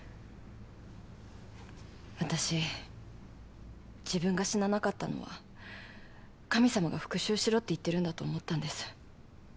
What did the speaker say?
私自分が死ななかったのは神様が復讐しろって言ってるんだと思ったんです。